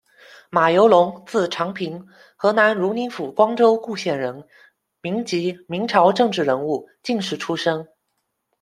马犹龙，字长平，河南汝宁府光州固县人，民籍，明朝政治人物、进士出身。